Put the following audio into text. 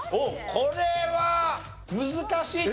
これは難しいよ。